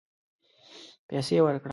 پیسې ورکړه